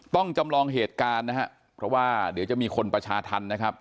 ต้องจำลองเหตุการณ์นะครับเพราะว่าเดี๋ยวจะมีคนประชาธรรมนะครับ